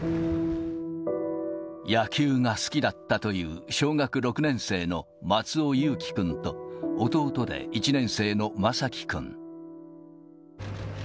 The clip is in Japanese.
野球が好きだったという小学６年生の松尾侑城君と弟で１年生の眞輝君。